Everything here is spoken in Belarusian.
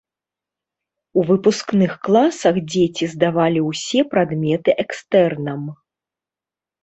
У выпускных класах дзеці здавалі ўсе прадметы экстэрнам.